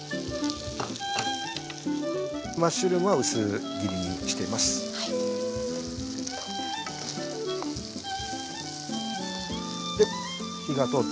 マッシュルームは薄切りにしてます。